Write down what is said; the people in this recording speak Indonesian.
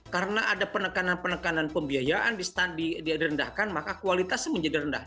karena ada penekanan penekanan pembiayaan di rendahkan maka kualitasnya menjadi rendah